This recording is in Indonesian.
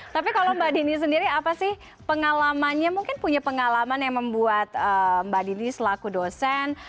tapi kalau mbak dini sendiri apa sih pengalamannya mungkin punya pengalaman yang membuat mbak dini selaku dosen